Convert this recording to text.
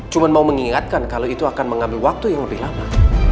cuma mau mengingatkan kalau itu akan mengambil waktu yang lebih lama